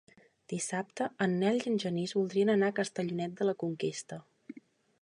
Dissabte en Nel i en Genís voldrien anar a Castellonet de la Conquesta.